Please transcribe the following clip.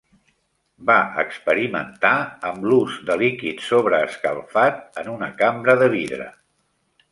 Va experimentar amb l'ús de líquid sobreescalfat en una cambra de vidre.